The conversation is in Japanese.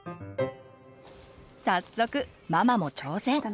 早速ママも挑戦！